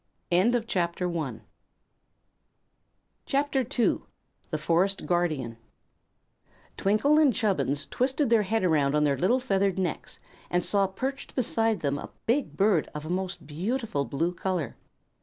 [CHAPTER II] The Forest Guardian Twinkle and Chubbins twisted their heads around on their little feathered necks and saw perched beside them a big bird of a most beautiful blue color.